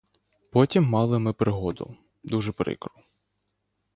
Потім мали ми пригоду, дуже прикру.